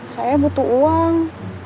saya butuh uang